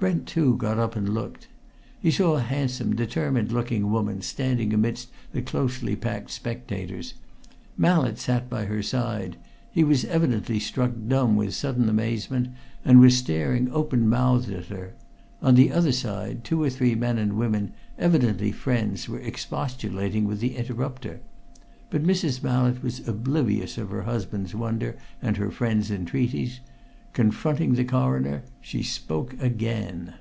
Brent, too, got up and looked. He saw a handsome, determined looking woman standing amidst the closely packed spectators. Mallett sat by her side; he was evidently struck dumb with sudden amazement and was staring open mouthed at her; on the other side, two or three men and women, evidently friends, were expostulating with the interrupter. But Mrs. Mallett was oblivious of her husband's wonder and her friends' entreaties; confronting the Coroner she spoke again.